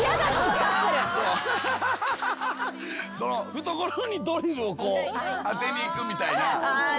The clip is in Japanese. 懐にドリルを当てにいくみたいな。